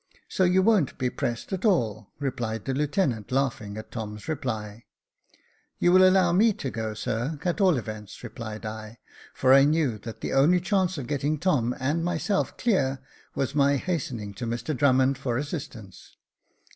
So you won't be pressed at all,'" replied the lieutenant, laughing at Tom's reply. *' You will allow me to go, sir, at all events," replied I ; for I knew that the only chance of getting Tom and myself clear was my hastening to Mr Drummond for assistance.